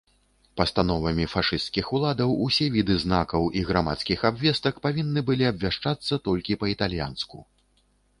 Пастановамі фашысцкіх уладаў усе віды знакаў і грамадскіх абвестак павінны былі абвяшчацца толькі па-італьянску.